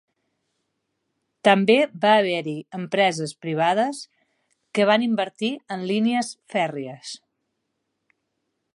També va haver-hi empreses privades que van invertir en línies fèrries.